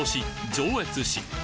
上越市